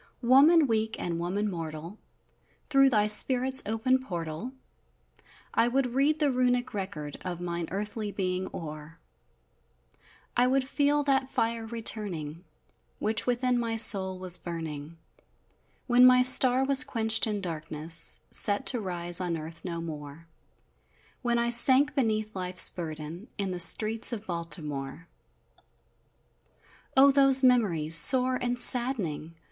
_ Woman weak, and woman mortal, Through thy spirit's open portal, I would read the Runic record Of mine earthly being o'er I would feel that fire returning, Which within my soul was burning, When my star was quenched in darkness, Set, to rise on earth no more, When I sank beneath life's burden In the streets of Baltimore! O, those memories, sore and saddening!